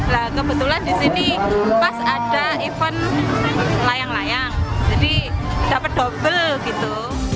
nah kebetulan di sini pas ada event layang layang jadi dapat double gitu